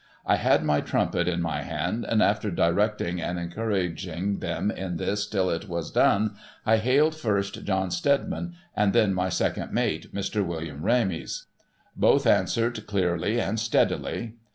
I had my trumpet in my hand, and, after directing and encouraging them in this till it was done, I hailed first John Steadiman, and then my second mate, Mr. William Rames. I5oth answered clearly and steadily.